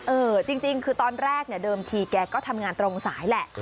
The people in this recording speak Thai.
เออจริงคือตอนแรกเนี่ยเดิมทีแกก็ทำงานตรงสายแหละ